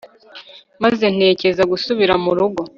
maze ntekereza gusubira murugo